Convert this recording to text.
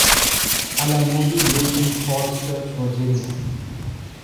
Al-Amoudi lived in Falls Church, Virginia.